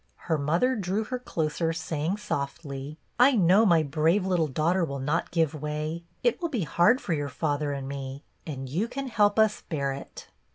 Her mother drew her closer, saying softly, —" I know my brave little daughter will not §ive way. It will be hard for your father ^nd me, and you can help us bear it."